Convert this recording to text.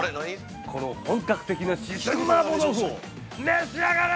この本格的な四川麻婆豆腐を召し上がれ！